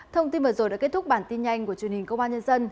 thông tin vừa rồi đã kết thúc bản tin nhanh của truyền hình công an nhân dân